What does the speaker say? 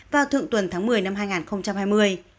vào thượng tuần tháng một mươi năm hai nghìn hai mươi